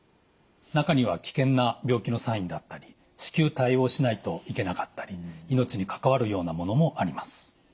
中には危険な病気のサインだったり至急対応しないといけなかったり命に関わるようなものもあります。